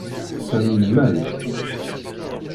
Sami imall.